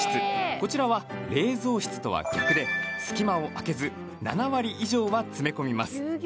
こちらは冷蔵室とは逆で隙間を空けず７割以上は詰め込みます。